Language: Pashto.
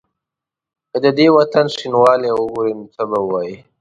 که د دې وطن شینوالی وګوري نو څه به وايي؟